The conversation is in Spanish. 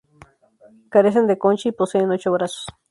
Carecen de concha y poseen ocho brazos.